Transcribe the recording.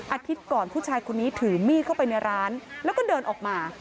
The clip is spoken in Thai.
อาทิตย์ก่อนผู้ชายคนนี้ถือมีดเข้าไปในร้านแล้วก็เดินออกมา